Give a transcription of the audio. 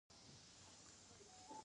ایا پښې مو قات کولی شئ؟